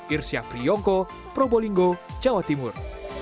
irsyafri yonko probolinggo jawa timur